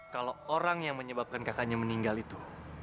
kalau orang yang menyebabkan kakaknya meninggal itu